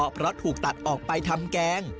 เพราะถูกตัดออกไปทำแกง